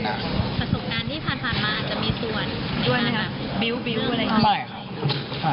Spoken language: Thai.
สำหรับผมเหมือนกันนะ